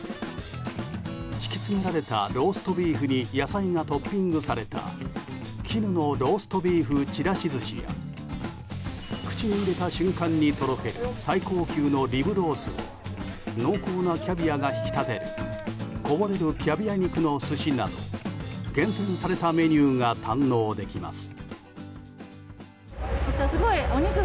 敷き詰められたローストビーフに野菜がトッピングされた絹のローストビーフちらし寿司や口に入れた瞬間にとろける最高級のリブロースを濃厚なキャビアが引き立てる零れるキャビア肉の寿司など厳選されたメニューが堪能できます。